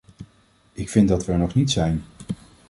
Ik vind dat we er nog niet zijn.